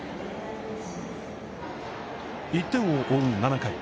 １点を追う７回。